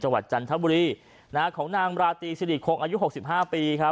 จังหวัดจันทบุรีนะฮะของนางราตรีสิริครกอายุหกสิบห้าปีครับ